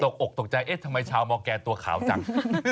ตกอกตกใจเอ๊ะทำไมชาวมอร์แกนตัวขาวจัง